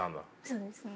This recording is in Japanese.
そうですね。